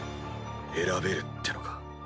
選べるってのか？